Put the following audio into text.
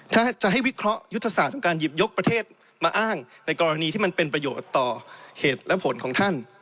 ถ้าจะให้วิเคราะห์ยุทธศาสตร์ของการหยิบยกประเทศมาอ้างในกรณีที่มันเป็นประโยชน์ต่อเหตุและผลของท่าน